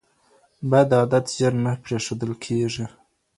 بد عادت ژر نه پرېښودل کېږي